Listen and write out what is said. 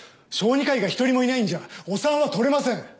小児科医が１人もいないんじゃお産はとれません。